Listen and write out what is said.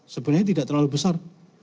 sebenarnya tidak terlalu besar